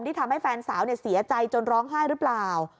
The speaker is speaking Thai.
ทำให้แฟนสาวเสียใจจนร้องไห้หรือเปล่า